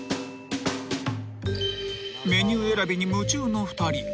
［メニュー選びに夢中の２人］